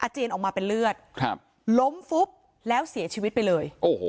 เจียนออกมาเป็นเลือดล้มฟุบแล้วเสียชีวิตไปเลย